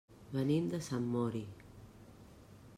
Venim de Sant Mori.